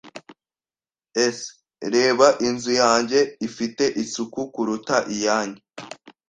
[S] Reba. Inzu yanjye ifite isuku kuruta iyanyu.